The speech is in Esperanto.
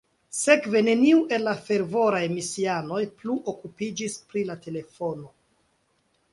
Sekve neniu el la fervoraj misianoj plu okupiĝis pri la telefono.